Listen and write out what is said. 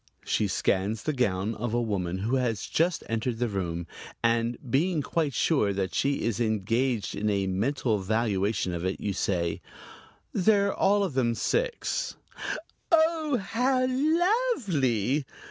She scans the gown of a woman who has just entered the room and, being quite sure that she is engaged in a mental valuation of it, you say: "They're all of them six." "Oh, how lovely!"